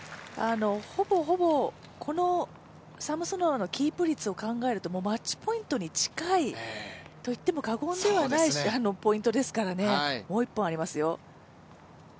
ほぼほぼ、このサムソノワのキープ率を考えるとマッチポイントに近いと言っても過言ではないポイントですからね、もう一本ありますよ。